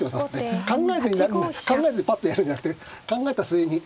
考えずに考えずにぱっとやるんじゃなくて考えた末に。